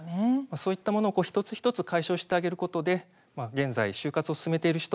そういったものを一つ一つ解消してあげることで現在就活を進めている人